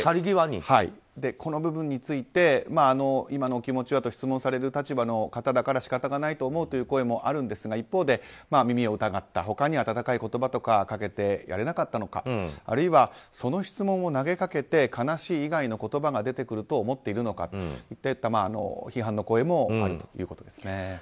この部分について今のお気持ちはと質問される立場だから仕方がないと思うという声もあるんですが一方で、耳を疑った他に温かい言葉とかかけてやれなかったのかとかあるいはその質問を投げかけて悲しい以外の言葉が出てくると思っているのかといった批判の声もあるということですね。